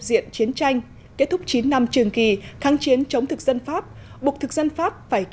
diện chiến tranh kết thúc chín năm trường kỳ kháng chiến chống thực dân pháp buộc thực dân pháp phải